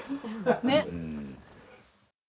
ねっ？